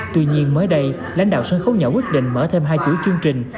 tuy nhiên mới đây lãnh đạo sân khấu nhỏ quyết định mở thêm hai chuỗi chương trình